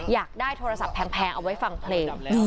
อยากได้โทรศัพท์แพงเอาไว้ฟังเพลง